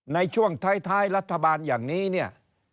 ในช่วงท้ายรัฐบาลอย่างนี้